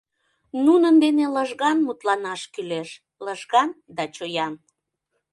Нунын дене лыжган мутланаш кӱлеш, лыжган да чоян.